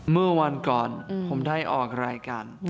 เมื่อวันก่อนผมได้ออกรายการ